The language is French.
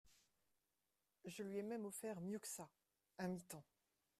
Je lui ai même offert mieux que ça: un mi-temps.